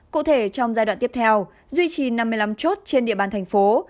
cụ thể trong giai đoạn tiếp theo duy trì năm mươi năm chốt trên địa bàn thành phố